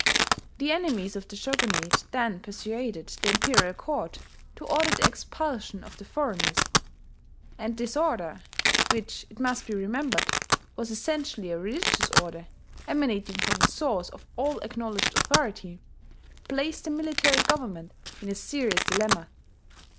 The enemies of the Shogunate then persuaded the imperial court to order the expulsion of the foreigners; and this order which, it must be remembered, was essentially a religious order, emanating from the source of all acknowledged authority placed the military government in a serious dilemma.